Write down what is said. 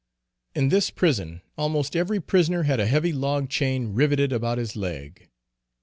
In this prison almost every prisoner had a heavy log chain riveted about his leg.